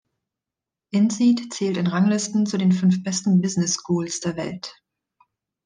Insead zählt in Ranglisten zu den fünf besten Business Schools der Welt.